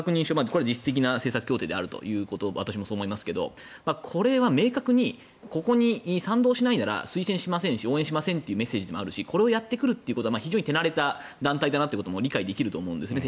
これは実質的な政策協定であるということを私もそう思いますがこれは明確にここに賛同しないなら推薦しませんし応援しませんというメッセージでもあるしこれをやってくるということは非常に手馴れている団体だなということは理解できると思うんですね。